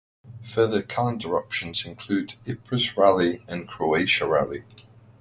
Further calendar options included Ypres Rally and Croatia Rally.